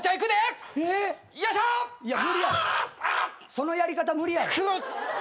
そのやり方無理や。